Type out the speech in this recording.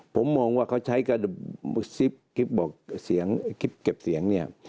ผมมองว่าเขาใช้กระดูกซิปเก็บเสียงเนี่ย